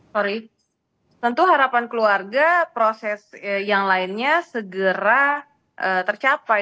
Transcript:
sorry tentu harapan keluarga proses yang lainnya segera tercapai